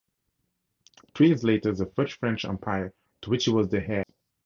Three years later, the First French Empire, to which he was the heir, collapsed.